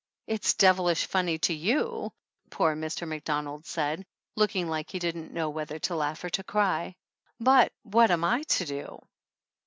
"It's devilish funny to you" poor Mr. Mac donald said, looking like he didn't know whether to laugh or to cry. "But what am I to do